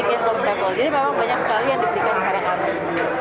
jadi memang banyak sekali yang diberikan di karyak amin